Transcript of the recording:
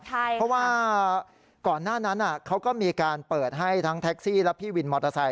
เพราะว่าก่อนหน้านั้นเขาก็มีการเปิดให้ทั้งแท็กซี่และพี่วินมอเตอร์ไซค